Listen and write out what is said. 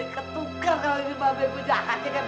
ketuker kali ini mba bebik